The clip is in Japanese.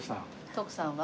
徳さんは？